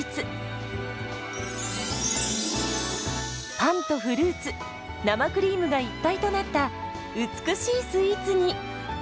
パンとフルーツ生クリームが一体となった美しいスイーツに。